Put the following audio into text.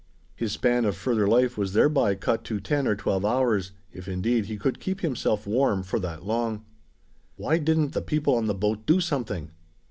His span of further life was thereby cut to ten or twelve hours, if indeed he could keep himself warm for that long. Why didn't the people on the boat do something!